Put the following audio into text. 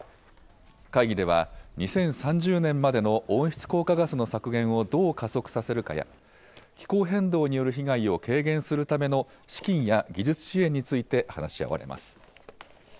会議では、２０３０年までの温室効果ガスの削減をどう加速させるかや、気候変動による被害を軽減するための資金や技術支援について話し合われます。